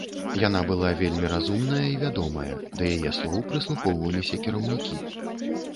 Яна была вельмі разумная і вядомая, да яе слоў прыслухоўваліся кіраўнікі.